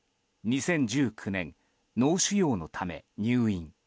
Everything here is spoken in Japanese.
２０１９年、脳腫瘍のため入院。